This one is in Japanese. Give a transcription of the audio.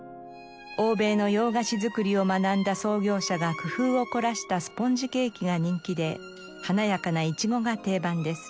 欧米の洋菓子作りを学んだ創業者が工夫を凝らしたスポンジケーキが人気で華やかなイチゴが定番です。